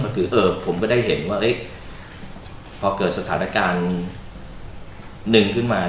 ก็คือเออผมก็ได้เห็นว่าพอเกิดสถานการณ์หนึ่งขึ้นมา